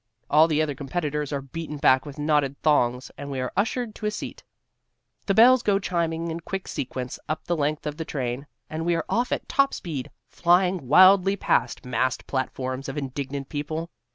All the other competitors are beaten back with knotted thongs and we are ushered to a seat. The bells go chiming in quick sequence up the length of the train and we are off at top speed, flying wildly past massed platforms of indignant people.